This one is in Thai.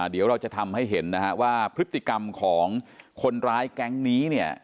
เดี๋ยวเราจะทำให้เห็นนะฮะว่าพฤติกรรมของคนร้ายแก๊งนี้เนี่ย